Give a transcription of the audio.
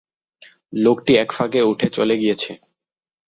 লোকটি এক ফাঁকে উঠে চলে গিয়েছে।